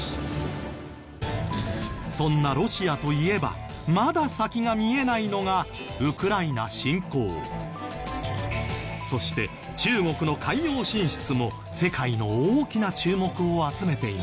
そんなロシアといえばまだ先が見えないのがそして中国の海洋進出も世界の大きな注目を集めています。